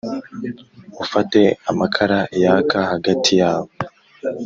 Ufate amakara yaka hagati yabo